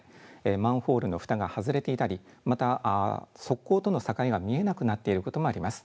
マンホールのふたが外れていたり、また側溝との境が見えなくなっていることもあります。